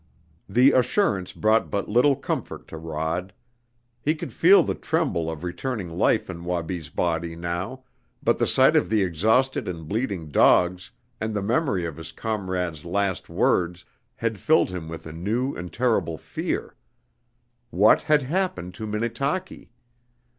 The assurance brought but little comfort to Rod. He could feel the tremble of returning life in Wabi's body now, but the sight of the exhausted and bleeding dogs and the memory of his comrade's last words had filled him with a new and terrible fear. What had happened to Minnetaki?